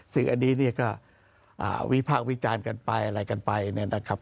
ซึ่งอันนี้เนี่ยก็วิพากษ์วิจารณ์กันไปอะไรกันไปนะครับ